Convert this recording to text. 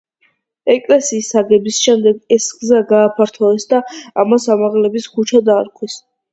ეკლესიის აგების შემდეგ ეს გზა გააფართოვეს და მას ამაღლების ქუჩა დაარქვეს.